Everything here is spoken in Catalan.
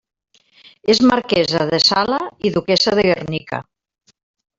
És marquesa de Sala i duquessa de Guernica.